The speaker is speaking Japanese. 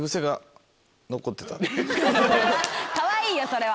ハハハかわいいよそれは。